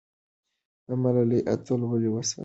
د ملالۍ اتلولي وستایه.